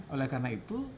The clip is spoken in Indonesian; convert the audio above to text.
oleh karena itu